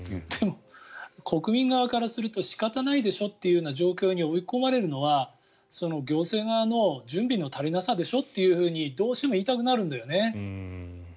でも、国民側からすると仕方ないでしょという状況に追い込まれるのは行政側の準備の足りなさでしょってどうしても言いたくなるんだよね。